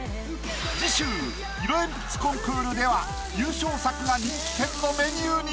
次週色鉛筆コンクールでは優勝作が人気店のメニューに！